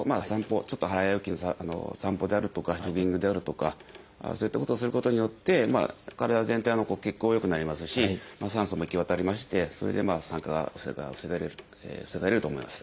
ちょっと早歩きの散歩であるとかジョギングであるとかそういったことをすることによって体全体の血行良くなりますし酸素も行き渡りましてそれで酸化が防げると思います。